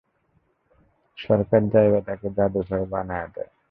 সরকার জায়গাটাকে, জাদুঘর বানায়া দেয়।